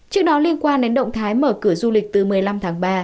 trước đó liên quan đến động thái mở cửa du lịch từ một mươi năm tháng ba